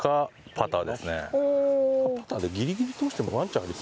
パターでギリギリ通してもワンチャンありそうやけどね。